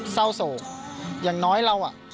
เศร้าโสอย่างน้อยเรา